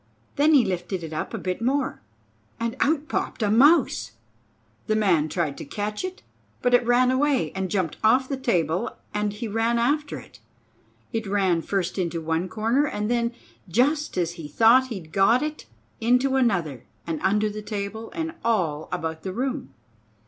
Then he lifted it up a bit more, and out popped a mouse. The man tried to catch it; but it ran away and jumped off the table and he ran after it. It ran first into one corner, and then, just as he thought he'd got it, into another, and under the table, and all about the room.